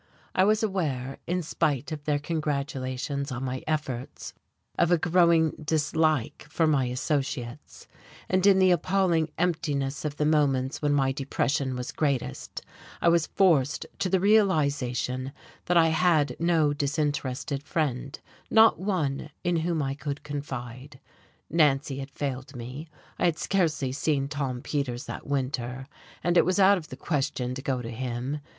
I was aware, in spite of their congratulations on my efforts, of a growing dislike for my associates; and in the appalling emptiness of the moments when my depression was greatest I was forced to the realization that I had no disinterested friend not one in whom I could confide. Nancy had failed me; I had scarcely seen Tom Peters that winter, and it was out of the question to go to him.